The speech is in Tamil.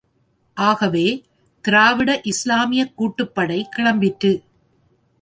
ஆகவே திராவிட இஸ்லாமியக் கூட்டுப்படை கிளம்பிற்று.